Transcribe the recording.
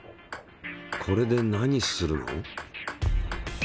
これで何するの？